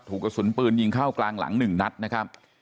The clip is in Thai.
กระสุนปืนยิงเข้ากลางหลัง๑นัดนะครับ